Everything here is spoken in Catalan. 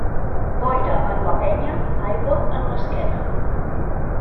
Boira en la penya, aigua en l'esquena.